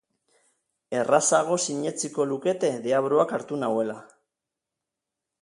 Errazago sinetsiko lukete deabruak hartu nauela.